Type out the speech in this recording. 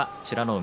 海